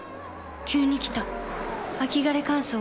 急に来た秋枯れ乾燥。